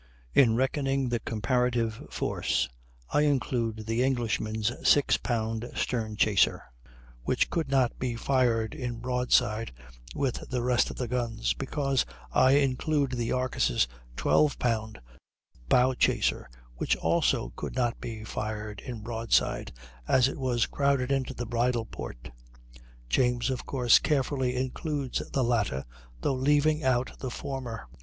In reckoning the comparative force, I include the Englishman's six pound stern chaser, which could not be fired in broadside with the rest of the guns, because I include the Argus' 12 pound bow chaser, which also could not be fired in broadside, as it was crowded into the bridle port. James, of course, carefully includes the latter, though leaving out the former.